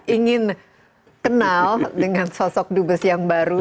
ingin kenal dengan sosok dubes yang baru